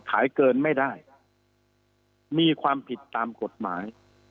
ขายเกินไม่ได้มีความผิดตามกฎหมาย